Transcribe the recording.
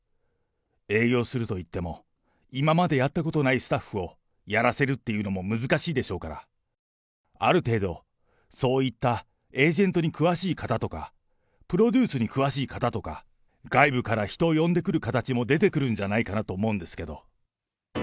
営業するといっても、今までやったことないスタッフをやらせるっていうのも難しいでしょうから、ある程度そういったエージェントに詳しい方とか、プロデュースに詳しい方とか、外部から人を呼んでくる形も出てくるんじゃないかなと思うんですけど。